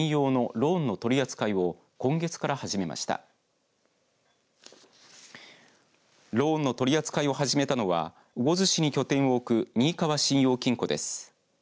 ローンの取り扱いを始めたのは魚津市に拠点を置くにいかわ信用金庫です。